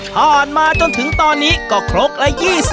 ผ่านมาจนถึงตอนนี้ก็ขกละ๒๐